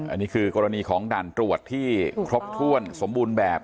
อันนี้คือกรณีของด่านตรวจที่ครบถ้วนสมบูรณ์แบบ